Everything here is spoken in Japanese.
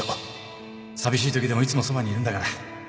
寂しいときでもいつもそばにいるんだから